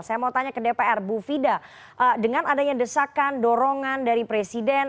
saya mau tanya ke dpr bu fida dengan adanya desakan dorongan dari presiden